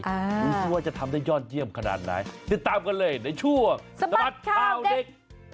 ดูสิว่าจะทำได้ยอดเยี่ยมขนาดไหนติดตามกันเลยในช่วงสะบัดข่าวเด็ก